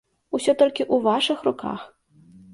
Усё толькі ў вашых руках!